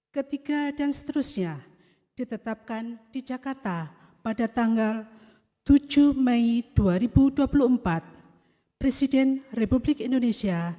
ketiga dan seterusnya ditetapkan di jakarta pada tanggal tujuh mei dua ribu dua puluh empat presiden republik indonesia